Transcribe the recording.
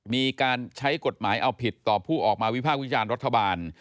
มีการใช้กฎหมายเอาผิดต่อผู้ออกมาวิภาควิจารณ์รัฐบาล